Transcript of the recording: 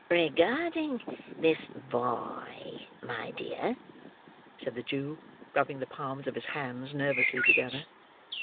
"Regarding this boy, my dear?" said the Jew, rubbing the palms of his hands nervously together.